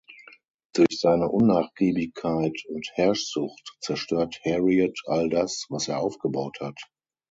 Durch seine Unnachgiebigkeit und Herrschsucht zerstört Heriot all das, was er aufgebaut hat.